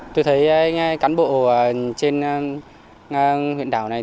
tôi thấy cán bộ trên huyện đảo này